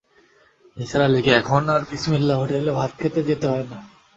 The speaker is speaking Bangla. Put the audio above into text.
নিসার আলিকে এখন আর বিসমিল্লাহ হোটেলে ভাত খেতে যেতে হয় না।